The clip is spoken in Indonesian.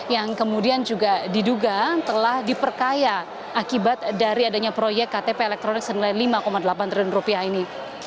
yang kemudian juga diduga telah diperkaya akibat dari adanya proyek ktp elektronik senilai lima delapan triliun rupiah ini